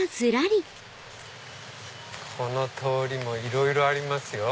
この通りもいろいろありますよ。